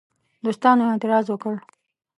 دوستانو اعتراض وکړ.